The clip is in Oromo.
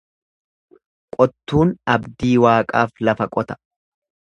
Qottuun abdii Waaqaaf lafa qota.